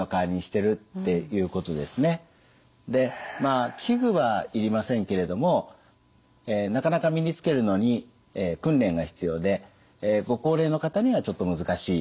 でまあ器具はいりませんけれどもなかなか身につけるのに訓練が必要でご高齢の方にはちょっと難しいかもしれません。